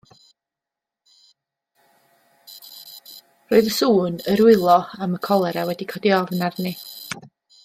Roedd y sŵn yr wylo am y colera wedi codi ofn arni.